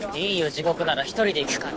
地獄なら１人で行くから。